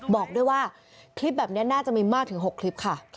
บอกด้วยว่าคลิปแบบนี้น่าจะมีมากถึง๖คลิปค่ะ